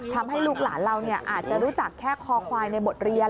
ลูกหลานเราอาจจะรู้จักแค่คอควายในบทเรียน